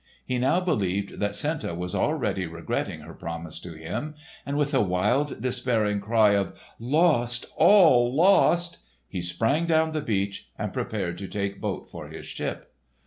He now believed that Senta was already regretting her promise to him, and with a wild, despairing cry of "Lost! All lost!" he sprang down the beach and prepared to take boat for his ship.